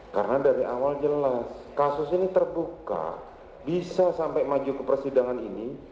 karena dari awal jelas kasus ini terbuka bisa sampai maju ke persidangan ini